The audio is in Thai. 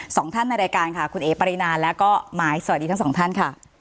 สองท่านในรายการคุณเอ๊ะปรินานและไมค์สวัสดีทั้งสองท่านค่ะ